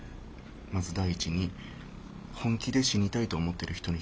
まず第一に本気で死にたいと思ってる人に失礼。